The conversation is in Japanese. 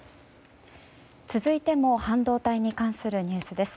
続いても半導体に関するニュースです。